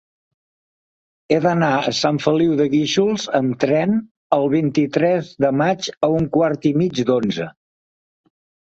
He d'anar a Sant Feliu de Guíxols amb tren el vint-i-tres de maig a un quart i mig d'onze.